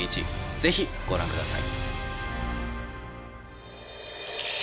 是非ご覧ください。